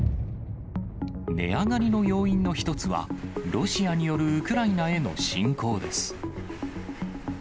値上がりの要因の一つは、ロシアによるウクライナへの侵攻です。